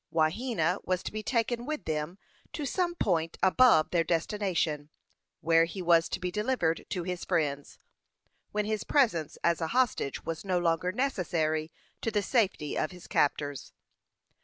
Wahena was to be taken with them to some point above their destination, where he was to be delivered to his friends, when his presence as a hostage was no longer necessary to the safety of his captors.